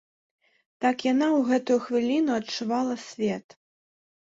Так яна ў гэтую хвіліну адчувала свет.